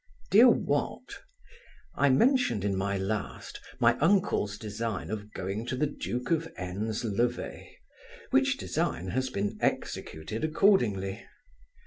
DEAR WAT, I mentioned in my last, my uncle's design of going to the duke of N 's levee; which design has been executed accordingly.